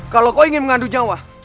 kalau kau ingin mengadu nyawa